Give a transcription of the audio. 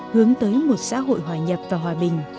hướng tới một xã hội hoạt động